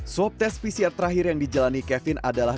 swab tes pcr terakhir yang dijalani kevin adalah